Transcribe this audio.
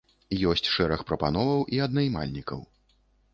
Ёсць шэраг прапановаў і ад наймальнікаў.